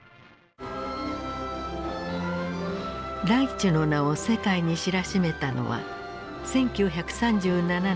ライチュの名を世界に知らしめたのは１９３７年